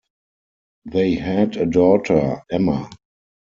They had a daughter, Emma.